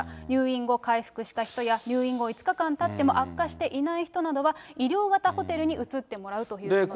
入院後、回復した人や入院後５日間たっても悪化していない人などは、医療型ホテルに移ってもらうというものです。